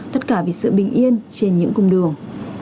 tất cả vì sự bình yên trên những cung đường